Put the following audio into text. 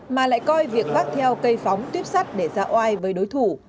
mà lại coi việc vác theo cây phóng tuyếp sắt để ra oai với đối thủ